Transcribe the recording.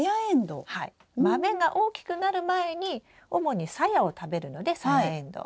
豆が大きくなる前に主にさやを食べるのでサヤエンドウ。